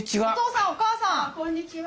こんにちは。